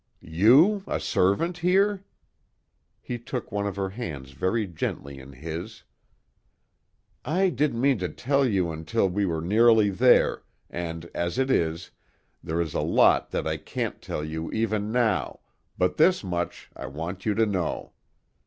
"You, a servant here?" He took one of her hands very gently in his. "I didn't mean to tell you until we were nearly there, and as it is, there is a lot that I can't tell you even now, but this much I want you to know.